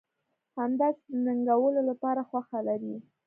همداسې د ننګولو لپاره خوښه لرئ.